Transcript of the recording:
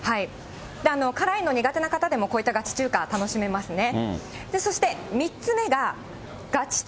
辛いの苦手な方でも、こういったガチ中華、楽しめますね。